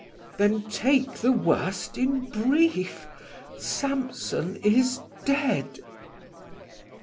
Mess: Then take the worst in brief, Samson is dead.